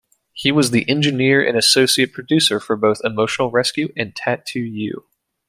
He was the engineer and associate producer for both "Emotional Rescue" and "Tattoo You".